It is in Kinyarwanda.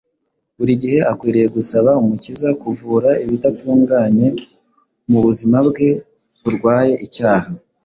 Buri gihe akwiriye gusaba Umukiza kuvura ibidatunganye mu buzima bwe burwaye icyaha.